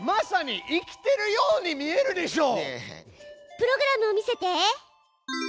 プログラムを見せて！